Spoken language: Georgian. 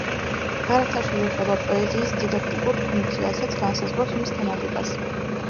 ბარათაშვილი ეხება პოეზიის დიდაქტიკურ ფუნქციასაც, განსაზღვრავს მის თემატიკას.